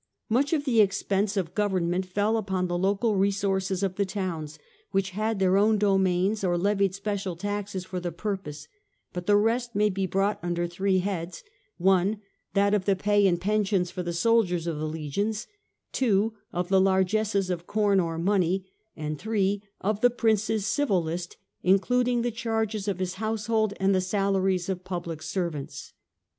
Much of the ex pense of government fell upon the local re sources of the towns, which had their own domains, or levied special taxes for the purpose ; but the rest may be brought under three heads, (i) that of the pay and pen sions for the soldiers of the legions, (2) of the largesses of corn or money, and (3) of the prince's civil list, includ ing the charges of his household and the salaries of public servants.